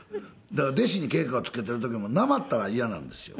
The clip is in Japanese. だから弟子に稽古をつけている時もなまったら嫌なんですよ